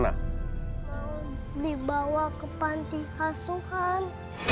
mau dibawa ke panti hasuhan